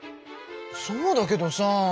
そうだけどさ。